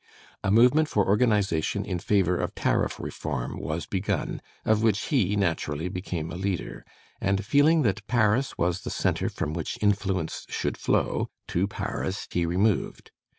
A movement for organization in favor of tariff reform was begun, of which he naturally became a leader; and feeling that Paris was the centre from which influence should flow, to Paris he removed.